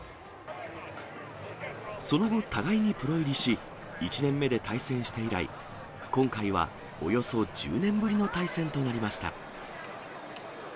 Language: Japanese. その後、互いにプロ入りし、１年目で対戦して以来、今回はおよそ１０年ぶりの対戦となりました。